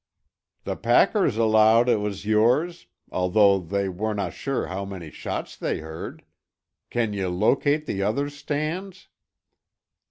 "The packers allood it was yours, although they werena sure how many shots they heard. Can ye locate the others' stands?"